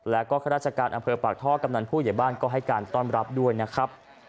แล้วก็ข้าราชการอำเภอปากท่อกำนันผู้ใหญ่บ้านก็ให้การต้อนรับด้วยนะครับ